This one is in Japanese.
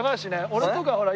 俺とかほら